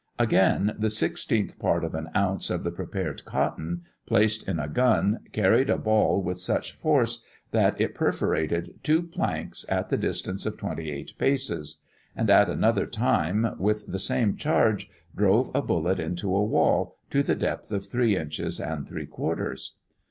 Again, the sixteenth part of an ounce of the prepared cotton, placed in a gun, carried a ball with such force, that it perforated two planks at the distance of twenty eight paces; and, at another time, with the same charge, drove a bullet into a wall, to the depth of three inches and three quarters.